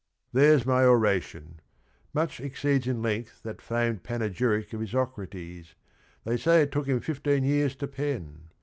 " There 's my oration — much exceeds in length That famed panegyric of Isocrates, They say it took him fifteen years to pen.